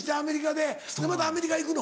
でまたアメリカ行くの？